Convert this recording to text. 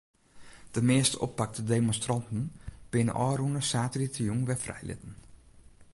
De measte oppakte demonstranten binne ôfrûne saterdeitejûn wer frijlitten.